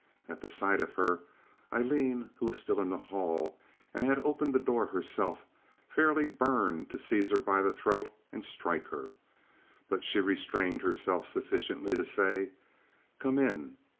At the sight of her, Aileen, who was still in the hall and had opened the door herself, fairly burned to seize her by the throat and strike her; but she restrained herself sufficiently to say, "Come in."